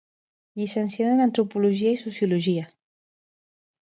Llicenciada en antropologia i sociologia.